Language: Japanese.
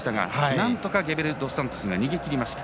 なんとかゲベルドスサントスが逃げ切りました。